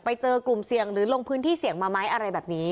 ไปเจอกลุ่มเสี่ยงหรือลงพื้นที่เสี่ยงมาไหมอะไรแบบนี้